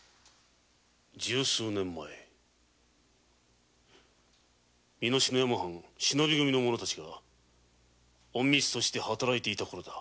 十数年前美濃篠山藩忍び組の者たちが隠密として働いていたころだ。